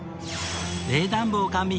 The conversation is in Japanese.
冷暖房完備！